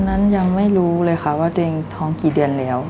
นั้นยังไม่รู้เลยค่ะว่าตัวเองท้องกี่เดือนแล้ว